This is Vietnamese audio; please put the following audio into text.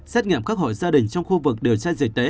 xét nghiệm các hội gia đình trong khu vực điều tra dịch tễ